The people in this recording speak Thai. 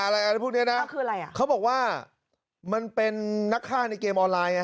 อะไรพวกนี้นะเขาบอกว่ามันเป็นนักฆ่าในเกมออนไลน์ไง